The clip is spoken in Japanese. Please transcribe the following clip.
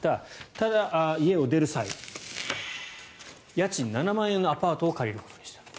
ただ、家を出る際家賃７万円のアパートを借りることにしたと。